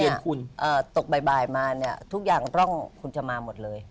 หนาปุ๊บเนี่ยตกบ่ายมาเนี่ยทุกอย่างร่องคุณจะมาหมดเลย